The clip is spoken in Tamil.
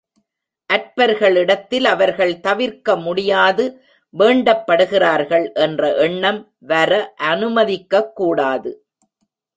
அற்பர்களிடத்தில் அவர்கள் தவிர்க்க முடியாது வேண்டப்படுகிறார்கள் என்ற எண்ணம் வர அனுமதிக்கக்கூடாது.